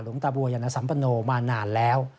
ลงตะบูยนสัมปนโนมานานแล้ว